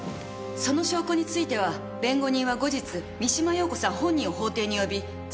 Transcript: その証拠については弁護人は後日三島陽子さん本人を法廷に呼び尋問する予定です。